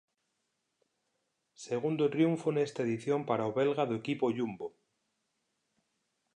Segundo triunfo nesta edición para o belga do equipo Jumbo.